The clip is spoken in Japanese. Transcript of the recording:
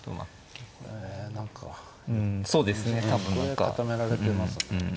これで固められてます。